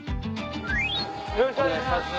よろしくお願いします。